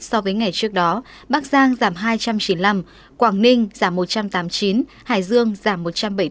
so với ngày trước đó bắc giang giảm hai trăm chín mươi năm quảng ninh giảm một trăm tám mươi chín hải dương giảm một trăm bảy mươi